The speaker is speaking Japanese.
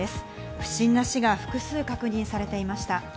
不審な死が複数確認されていました。